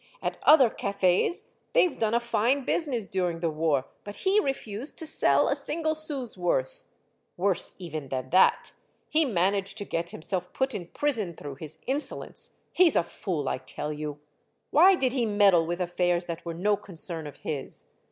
At other cafes they Ve done a fine business during the war, but he refused to sell a single sou's worth. Worse even than that. He managed to get himself put in prison through his insolence. He 's a fool, I tell you. Why did he meddle with affairs that were no concern of his?